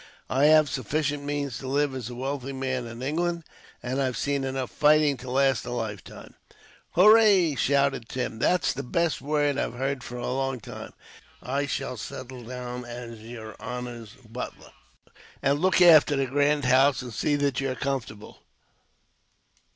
I have sufficient means to live as a wealthy man in England, and I've seen enough fighting to last a lifetime." "Hooroo!" shouted Tim. "That's the best word I've heard for a long time. And I shall settle down as yer honor's butler, and look after the grand house, and see that you're comfortable."